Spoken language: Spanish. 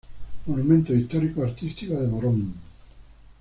Monumentos históricos artísticos de Moron.